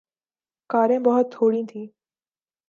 کاریں بہت تھوڑی تھیں۔